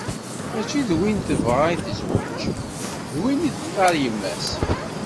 Mačči d win tebɣa i tezweǧ, d win i s-textar yemma-s.